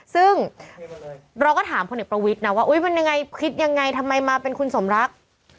ซึ่งเราก็ถามพลเอกประวิทย์นะว่ามันยังไงคิดยังไงทำไมมาเป็นคุณสมรัก